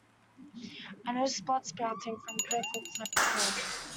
I noticed blood spouting from Kerfoot's left hand.